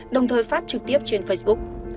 đồng thời phát trực tiếp trên facebook